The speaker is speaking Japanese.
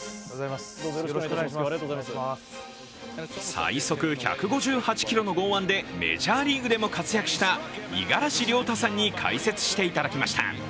最速１５８キロの剛腕でメジャーリーグでも活躍した五十嵐亮太さんに解説していただきました。